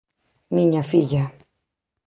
Miña filla.